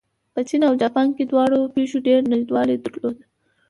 په چین او جاپان کې دواړو پېښو ډېر نږدېوالی درلود.